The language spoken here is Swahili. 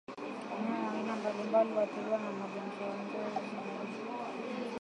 Wanyama wa aina mbalimbali huathiriwa na magonjwa ya ngozi